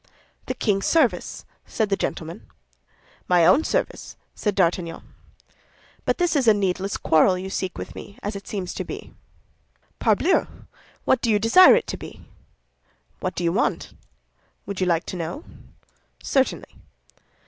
"The king's service!" said the gentleman. "My own service!" said D'Artagnan. "But this is a needless quarrel you seek with me, as it seems to me." "Parbleu! What do you desire it to be?" "What do you want?" "Would you like to know?" "Certainly."